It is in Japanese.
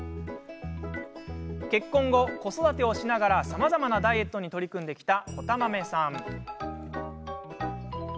結婚後、子育てをしながらさまざまなダイエットに取り組んできた